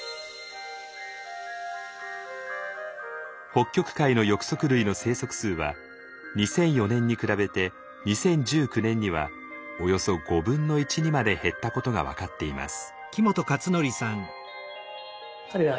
北極海の翼足類の生息数は２００４年に比べて２０１９年にはおよそ５分の１にまで減ったことが分かっています。